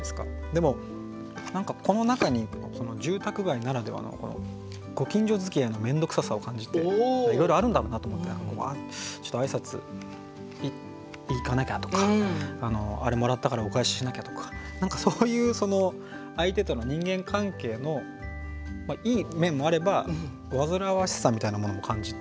でも何かこの中に住宅街ならではのご近所づきあいの面倒くささを感じていろいろあるんだろうなと思ってちょっと挨拶行かなきゃとかあれもらったからお返ししなきゃとか何かそういうその相手との人間関係のいい面もあれば煩わしさみたいなものも感じて。